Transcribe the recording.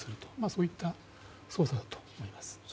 そういった捜査だと思います。